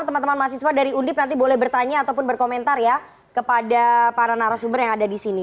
teman teman mahasiswa dari undip nanti boleh bertanya ataupun berkomentar ya kepada para narasumber yang ada di sini